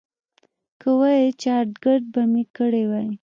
که وای، چارېګرد به مې کړی وای.